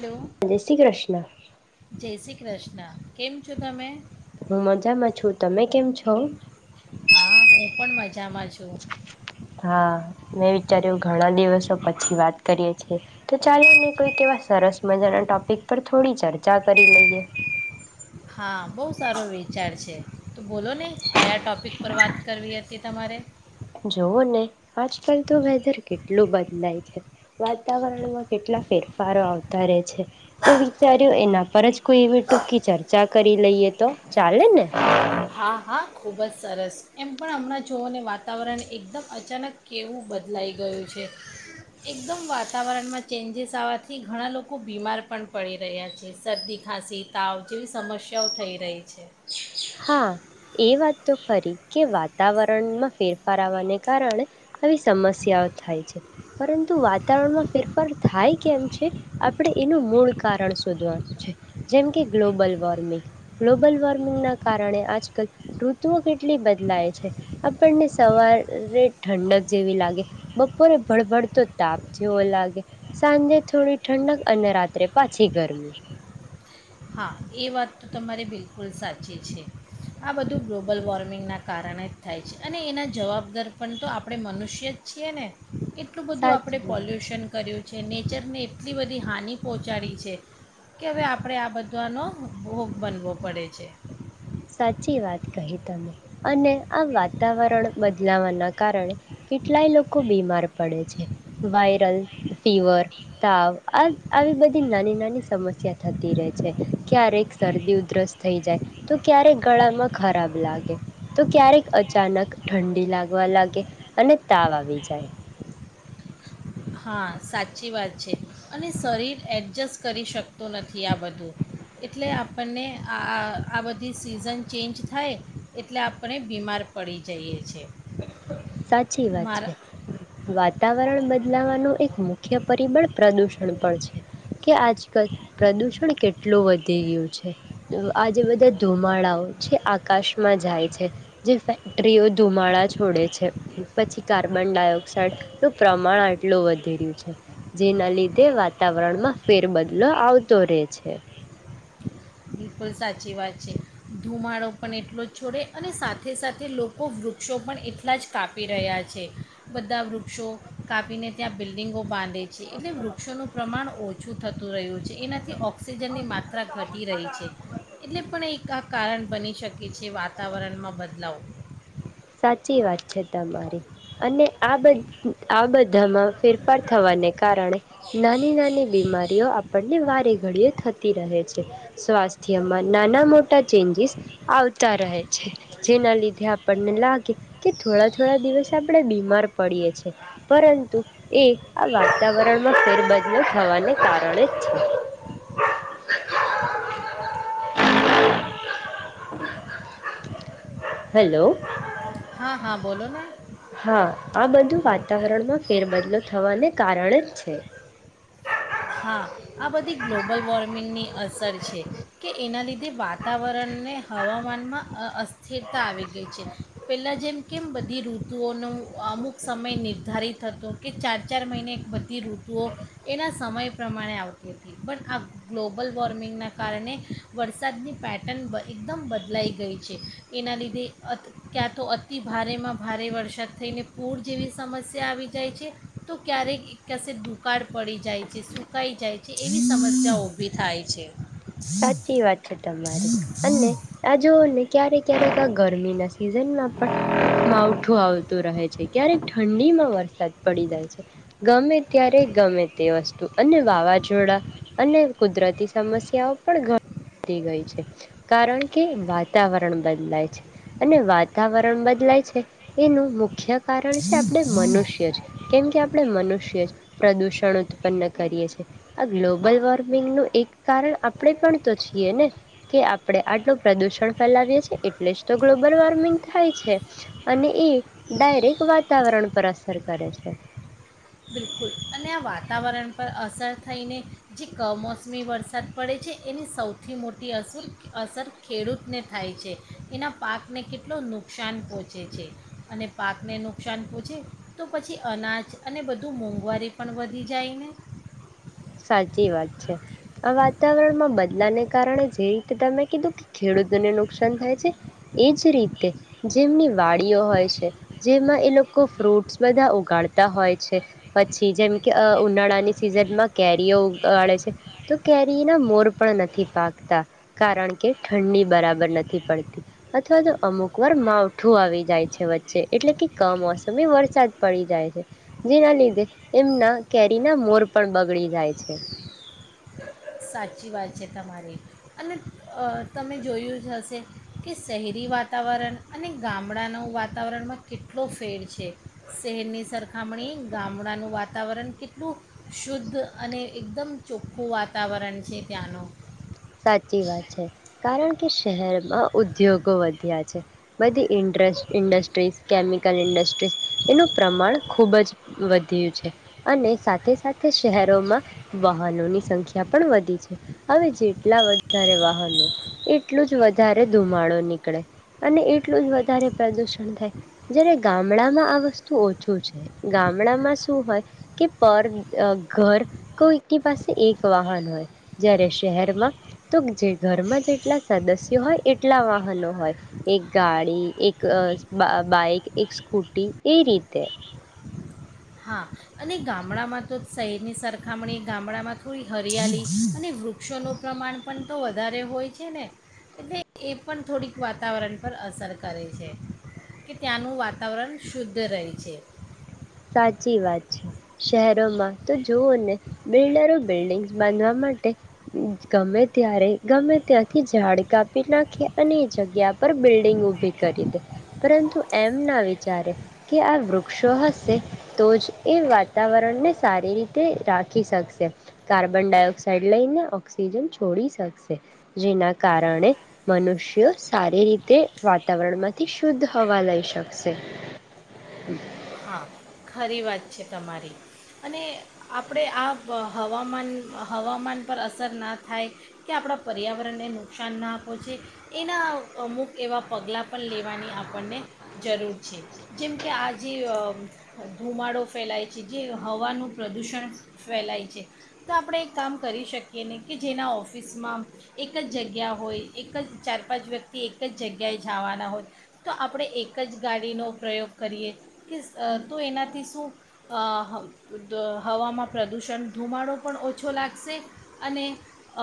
Hello જય શ્રી કૃષ્ણ જય શ્રી કૃષ્ણ કેમ છો તમે હું મજામાં છું તમે કેમ છો હા હું પણ મજામાં છું હા મેં વિચાર્યું ઘણા દિવસો પછી વાત કરીએ છીએ તો ચાલો ને કોઈક એવા સરસ મજાના ટોપિક પર થોડી ચર્ચા કરી લઈએ હા બહુ સારો વિેચાર છે તો બોલો ને કયા ટોપિક પર વાત કરવી હતી તમારે જોવ ને આજકાલ તો વેધર કેટલું બદલાય છે વાતાવરણમાં કેટલા ફેરફારો આવતા રહે છે તો વિચાર્યો એના પર જ કોઈ એવી ટૂંકી ચર્ચા કરી લઈએ તો ચાલે ને હા હા ખૂબ જ સરસ એમ પણ હમણાં જુઓને વાતાવરણ એકદમ અચાનક કેવું બદલાઈ ગયું છે એકદમ વાતાવરણમાં ચેન્જીસ આવવાથી ઘણા લોકો બીમાર પણ પડી રહ્યા છે શરદી ખાંસી તાવ જેવી સમસ્યાઓ થઈ રહી છે હા એ વાત તો ખરી કે વાતાવરણમાં ફેરફાર આવવાને કારણે આવી સમસ્યાઓ થાય છે પરંતુ વાતાવરણમાં ફેરફાર થાય કેમ છે આપણે એનું મૂળ કારણ શોધવાનું છે જેમ કે ગ્લોબલ વોર્મિંગ ગ્લોબલ વોર્મિંગના કારણે આજકાલ ઋતુઓ કેટલી બદલાય છે આપણને સવારે ઠંડક જેવી લાગે બપોરે ભળભડતો તાપ જેવો લાગે સાંજે થોડી ઠંડક અને રાત્રે પાછી ગરમી હા એ વાત તો તમારે બિલકુલ સાચી છે આ બધું ગ્લોબલ વોર્મિંગનાં કારણે જ થાય છે અને એના જવાબદાર પણ તો આપણે મનુષ્ય જ છીએ ને એટલું બધું આપણે સાચી વાત છે પોલ્યુશન કર્યું છે ને નેચરને એટલી બધી હાિ પહોંચાડી છે કે હવે આપણે આ બધા દ્વાનો ભ બનવો પડે છે સાચી વાત કહી તમે અને આ વાતાવરણ બદલાવાના કારણે કેટલાય લોકો બીમાર પડે છે વાયરલ ફીવર તાવ આ આવી બધી નાની નાની સમસ્યા થતી રહે છે ક્યારેક શરદી ઉધરસ થઈ જાય તો ક્યારેક ગળામાં ખરાબ લાગે તો ક્યારેક અચાનક ઠંડી લાગવા લાગે અને તાવ આવી જાય હા સાચી વાત છે અને શરીર એડજસ્ટ કરી શકતું નથી આ બધું એટલે આપણને આ આ બધી સિઝન ચેન્જ થાય એટલે આપણે બીમાર પડી જઈએ છે સાચી વાત છે વાતાવરણ બધું બદલાવાનું એક મુખ્ય પરિબળ પ્રદુષણ પણ છે કે આજકાલ પ્રદુષણ કેટલું વધી ગયું છે આજે બધા ધુમાડાઓ જે આકાશમાં જાય છે જે ફેક્ટરીઓ ધુમાડા છોડે છે પછી કાર્બન ડાયોક્સાઇડ નું પ્રમાણ આટલું વધેર્યું છે જેના લીધે વાતાવરણમાં ફેરબદલો આવતો રહે છે બિલકુલ સાચી વાત છે ધુમાડો પણ એટલો જ છોડે અને સાથે સાથે લોકો વૃક્ષો પણ એટલા જ કાપી રહ્યા છે બધા વૃક્ષો કાપીને ત્યાં બિલ્ડિંગો બાંધે છે એટલે વૃક્ષોનું પ્રમાણ ઓછું થતું રહ્યું છે એનાથી ઓક્સિજનની માત્રા ધટ તી રહી એટલે પણ એક ક કારણ બની શકે છે વાતાવરણમાં બદલાવ સાચી વાત છે તમારી અને આ બ આ બધામાં ફેરફાર થવાને કારણે નાની નાની બીમારીઓ આપણને વારે ઘડીઓ થતી રહે છે સ્વાસ્થ્યમાં નાના મોટા ચેન્જીસ આવતા રહે છે જેના લીધે આપણને લાગે કે થોડા થોડા દિવસ આપણે બીમાર પડીએ છેએ પરંતુ એ આ વાતાવરણમાં ફેરબદલો થવાને કારણે જ છે [inaudible] હેલો હા હા બોલો ને હા આ બધું હા વાતાવરણમાં ફેરબદલો થવાને કારણે જ છે હા આ બધી ગ્લોબલ વોર્મિંગની અસર છે કે એના લીધે વાતાવરણને હવામાનમાં અસ્થિરતા આવી ગઈ છે પહેલાં જેમ કેમ બધી ઋતુઓનું અમુક સમય નિર્ધારિત હતો કે ચાર ચાર મહિને બધી ઋતુઓ એના સમય પ્રમાણે આવતી હતી પણ આ ગ્લોબલ વોર્મિંગના કારણે વરસાદની પેટર્ન એકદમ બદલાઈ ગઈ છે એના લીધે ક્યાં અ ક્યાં તો અતિ ભારેમાં ભારે વરસાદ થઈને પૂર જેવી સમસ્યા આવી જાય છે તો ક્યારેક એક કસે દુકાળ પડી જાય સુકાઈ જાય છે એવી સમસ્યા ઉભી થાય છે સાચી વાત છે તમારી અને આ જોઓને ક્યારે ક્યારેક આ ગરમીના સિઝનમાં પણ માવઠું આવતું રહે છે ક્યારેક ઠંડીમાં વરસાદ પડી જાય છે ગમે ત્યારે ગમે તે વસ્તુ અને વાવાઝોડા અને કુદરતી સમસ્યાઓ પણ વઘી ગઈ છે કારણ કે વાતાવરણ બદલાય છે અને વાતાવરણ બદલાય છે એનું મુખ્ય કારણ છે આપણે મનુષ્ય છે કેમ કે આપ આપણે મનુષ્ય જ પ્રદૂષણ ઉત્પન્ન કરીએ છીએ આ ગ્લોબલ વોર્મિંગનું એક કારણ આપ આપણે પણ તો છીએ ને કે આપણે આટલું પ્રદુષણ ફેલાવીએ છીએ એટલે જ તો ગ્લોબલ વોર્મિંગ થાય છે અને એ ડાયરેક વાતાવરણ પર અસર કરે છે બિલકુલ અને આ વાતાવરણ પર અસર થઈને જે કમોસમી વરસાદ પડે છે એની સૌથી મોટી અસર અસર ખેડૂતને થાય છે એના પાકને કેટલો નુકસાન પહોંચે છે અને પાકને નુકસાન પહોંચે તો પછી અનાજ અને બધું મોંઘવારી પણ વધી જાયને સાચી વાત છે આ વાતાવરણમાં બદલાને કારણે જે રીતે તમે કીધું ખેડૂતોને નુકસાન થાય જે એ જ રીતે જેમની વાડીઓ હોય છે જેમાં એ લોકો ફ્રૂટ્સ બધા ઉગાડતા હોય છે પછી જેમ કે ઉનાળાની સિઝનમાં કેરીઓ ઉગાડે છે તો કેરીના મોર પણ નથી પાકતા કારણ કે ઠંડી બરાબર નથી પડતી અથવા તો અમુક વાર માવઠું આવી જાય છે વચ્ચે એટલે કે કમોસમી વરસાદ પડી જાય છે જેના લીધે એમના કેરીના મોર પણ બગડી જાય જાય છે સાચી વાત છે તમારી અને તમે જોયું જ હશે કે શહેરી વાતાવરણ અને ગામડાનું વાતાવરણમાં કેટલો ફેર છે શહેરની સરખામણી ગામડાનું વાતાવરણ કેટલું શુદ્ધ અને એકદમ ચોખ્ખું વાત વાતાવરણ છે ત્યાં નો સાચી વાત છે કારણ કે શહેરમાં ઉદ્યોગો વધ્યા છે બધી ઇન્ડ ઇન્ડસ્ટ્રીઝ કેમિકલ ઇન્ડસ્ટ્રીઝ એનું પ્રમાણ ખૂબ જ વધ્યું છે અને સાથે સાથે શહેરોમાં વાહનોની સંખ્યા પણ વધી છે હવે જે એટલા વધારે વાહનો એટલું જ વધારે ધુમાડો નીકળે અને એટલું જ વધારે પ્રદૂષણ થાય જ્યારે ગામડામાં આ વસ્તુ ઓછું છે ગામડામાં શું હોય કે પર ઘર કોઈકની પાસે એક વાહન હોય જ્યારે શહેરમાં તો જે ઘરમાં જેટલા સદસ્યો હોય એટલા વાહનો હોય એક ગાડી, એક અ બ બાઈક, એક સ્કૂટી એ રીતે. હા અને ગામડામાં તો શહેરની સરખામણી ગામડામાં થોડી હરિયાળી અને વૃક્ષોનું પ્રમાણ પણ તો વધારે હોય છે ને એટલે એ પણ થોડીક વાતાવરણ પર અસર કરે છે કે ત્યાંનું વાતાવરણ શુદ્ધ રહે છે. સાચી વાત છે. શહેરોમાં તો જોઓ ને બિલ્ડરો બિલ્ડિંગ્સ બાંધવા માટે ગમે ત્યારે ગમે ત્યાંથી ઝાડ કાપી નાખે અને એ જગ્યા પર બિલ્ડિંગ ઊભી કરી દે પરંતુ એમ ના વિચારે કે આ વૃક્ષો હશે હશે તો જ એ વાતાવરણને સારી રીતે રાખી શકશે કાર્બન ડાયોક્સાઇડ લઈને ઓક્સિજન છોડી શકશે જેના કારણે મનુષ્યો સારી રીતે વાતાવરણ માંથી શુદ્ધ હવા લઈ શકશે. હા ખરી વાત છે તમારી અને આપણે આ હવામાન હવામાન પર અસર ના થાય કે આપણા પર્યાવરણને નુકસાન ના પોંહચે એના અમુક એવા પગલાં પણ લેવાની આપણને જરૂર છે જેમ કે આ જે અ ધુમાડો ફેલાય છે જે હવાનું પ્રદૂષણ ફેલાય છે તો આપણે એ કામ કરી શકીએ ને કે જેના ઓફિસમાં એક જ જગ્યા હોય એક જ ચાર પાંચ વ્યક્તિ એક જ જગ્યાએ જવાના હોય તો આપણે એક જ ગાડીનો પ્રયોગ કરીએ કે અ તો એનાથી શું અ હવામાં પ્રદૂષણ ધુમાડો પણ ઓછો લાગશે અને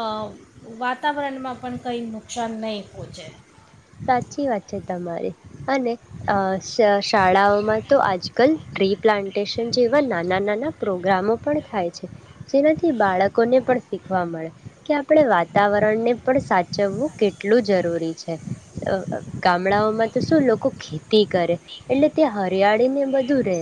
અ વાતાવરણમાં પણ કંઈ નુકસાન નહીં પહોંચે. સાચી વાત છે તમારી અને અ શ શાળાઓમાં તો આજકાલ ટ્રી પ્લાન્ટેશન જેવા નાના-નાના પ્રોગ્રામો પણ થાય છે જેનાથી બાળકોને પણ શીખવા મળે કે આપણે વાતાવરણને પણ સાચવવું કેટલું જરૂરી છે. અ ગામડાઓમાં તો શું લોકો ખેતી કરે એટલે ત્યાં હરિયાળીને બધું રહે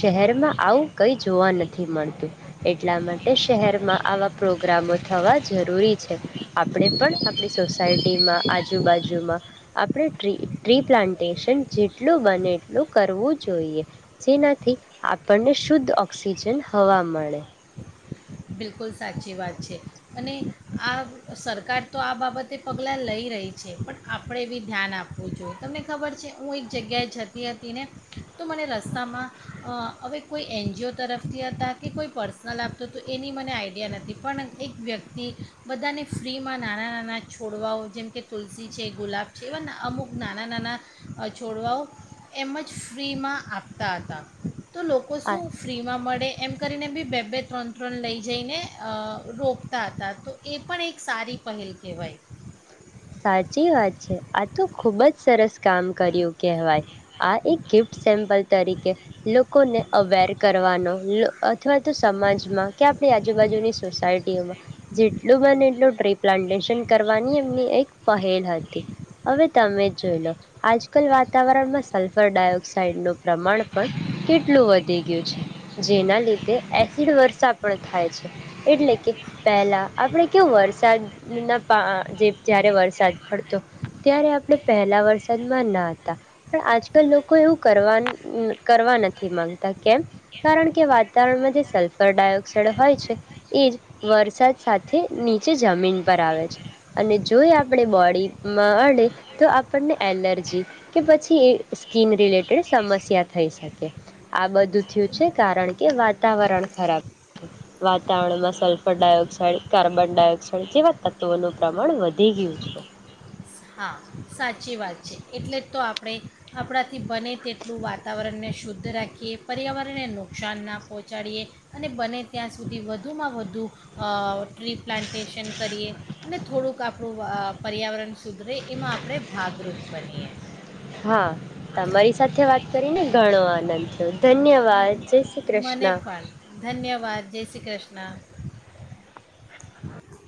શહેરમાં આવું કંઈ જોવા નથી મળતું એટલા માટે શહેરમાં આવા પ્રોગ્રામો થવા જરૂરી છે આપણે પણ આપણી સોસાયટીમાં આજુબાજુમાં આપણે ટ્રી ટ્રી પ્લાન્ટેશન જેટલું બને એટલું કરવું જોઈએ જેનાથી આપણને શુદ્ધ ઓક્સિજન હવા મળે. બિલકુલ સાચી વાત છે અને આ સરકાર તો આ બાબતે પગલાં લઈ રહી છે પણ આપણે એ બી ધ્યાન આપવું જોઈએ. તમને ખબર છે હું એક જગ્યાએ જતી હતી ને તો મને રસ્તામાં અ હવે કોઈ એનજીઓ તરફથી હતા કે કોઈ પર્સનલ આપતો તો એની મને આઈડિયા નથી પણ એક વ્યક્તિ બધાને ફ્રીમાં નાનાં-નાના છોડવાઓ જેમ કે તુલસી છે, ગુલાબ છે એવા અમુક નાના-નાના છોડવાઓ એમજ ફ્રીમાં આપતા હતા. તો લોકો આ શું ફ્રીમાં મળે એમ કરીને બી બે-બે, ત્રણ ત્રણ લઈ જઈને અ રોપતા હતા તો એ પણ એક સારી પહેલ કહેવાય. સાચી વાત છે આ તો ખુબ જ સરસ કામ કર્યું. કહેવાય આ એક ગિફ્ટ સેમપલ તરીકે લોકોને અવેર કરવાનો અથવા તો સમાજમાં કે આપણી આજુબાજુની સોસાયટીઓમાં જેટલું બને એટલું ટ્રી પ્લાન્ટેશન કરવાની એમની એક પહેલ હતી હવે તમે જોઈ લો આજકાલ વાતાવરણમાં સલ્ફર ડાયોક્સાઇડનું પ્રમાણ પણ કેટલું વધી ગયું છે જેના લીધે એસિડ વર્ષા પણ થાય છે એટલે કે પહેલા આપણે કેવું વરસાદના પા જે જ્યારે વરસાદ પડતો ત્યારે આપણે પહેલાં વરસાદમાં નાહતા પણ આજકાલ લોકો એવું કરવા કરવા નથી માગતા કેમ કારણ કે વાતાવરણમાં જે સલ્ફર ડાયોક્સાઇડ હોય છે એ જ વરસાદ સાથે નીચે જમીન પર આવે છે અને જો એ આપણે બોડીમાં અડે તો આપણને એલર્જી કે પછી એ સ્કીન રિલેટેડ સમસ્યા થઈ શકે આ બધું થયું છે કારણ કે વાતાવરણ ખરાબ વાતાવરણમાં સલ્ફર ડાયોક્સાઇડ કાર્બન ડાયોક્સાઇડ જેવા તત્ત્વોનું પ્રમાણ વધે વધી ગીયું છે. હા સાચી વાત છે એટલે જ તો આપણે આપણાથી બને તેટલું વાતાવરણને શુદ્ધ રાખીએ પર્યાવરણને નુકસાન ના પહોંચાડીએ અને બને ત્યાં સુધી વધુમાં વધુ અ ટ્રી પ્લાન્ટેશન કરીએ અને થોડુંક આપણું અ પર્યાાવરણ સુધરે એમાં આપણે ભાગરૂપ બનીએ. હા તમારી ચાલો સાથે વાત કરીને ઘણો આનંદ થ ધન્યવાદ જય શ્રી કૃષ્ણ. વાદ જય શ્રી કૃષ્ણ.